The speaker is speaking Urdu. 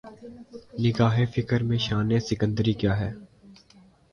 نگاہ فقر میں شان سکندری کیا ہے